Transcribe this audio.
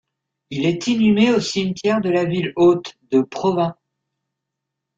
Il est inhumé au cimetière de la Ville Haute de Provins.